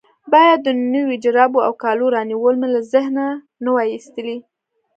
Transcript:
باید د نویو جرابو او کالو رانیول مې له ذهنه نه وای ایستلي.